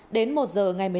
đến một giờ ngày hôm nay